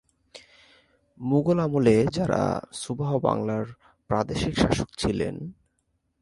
মুঘল আমলে যারা সুবাহ বাংলার প্রাদেশিক শাসক ছিলেন।